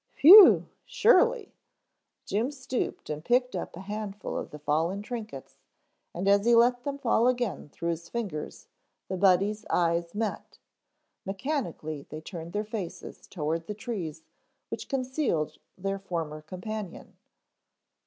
"Whew, surely." Jim stooped and picked up a handful of the fallen trinkets and as he let them fall again through his fingers, the Buddies' eyes met. Mechanically they turned their faces toward the trees which concealed their former companion.